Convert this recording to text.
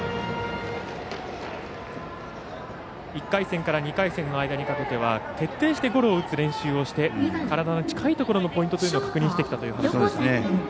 １回戦から２回戦の間にかけては徹底してゴロを打つ練習をして体の近いところのポイントというのを確認してきたという話です。